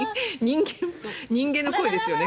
人間の声ですよね。